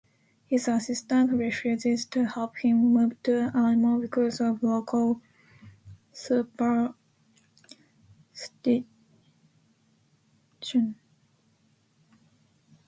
His assistant refuses to help him move the animal because of local superstition.